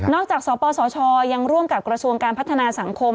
จากสปสชยังร่วมกับกระทรวงการพัฒนาสังคม